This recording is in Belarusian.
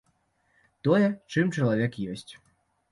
Тое, чым чалавек ёсць.